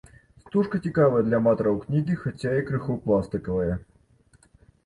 Стужка цікавая для аматараў кнігі, хаця і крыху пластыкавая.